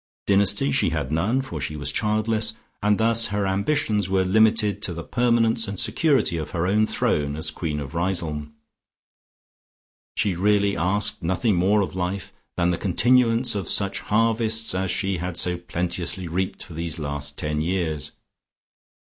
Dynasty she had none, for she was childless, and thus her ambitions were limited to the permanence and security of her own throne as queen of Riseholme. She really asked nothing more of life than the continuance of such harvests as she had so plenteously reaped for these last ten years.